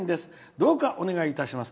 どうか、お願いいたします。